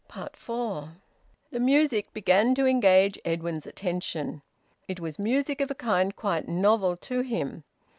FOUR. The music began to engage Edwin's attention. It was music of a kind quite novel to him.